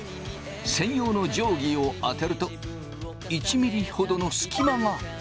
専用の定規を当てると１ミリほどの隙間が！